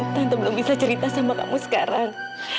tante belum bisa cerita sama kamu sekarang